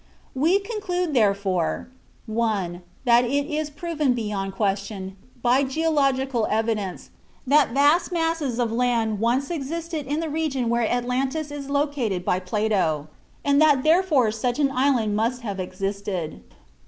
We conclude, therefore: 1. That it is proven beyond question, by geological evidence, that vast masses of land once existed in the region where Atlantis is located by Plato, and that therefore such an island must have existed; 2.